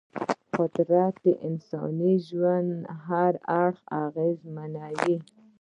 قدرت د انساني ژوند هر اړخ اغېزمنوي.